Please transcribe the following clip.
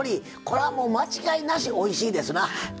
これはもう間違いなしおいしいですな。